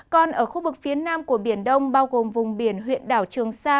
còn ở khu vực phía nam của biển đông bao gồm vùng biển huyện đảo trường sa